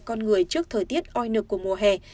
con người trước thời tiết oi nực của mùa hè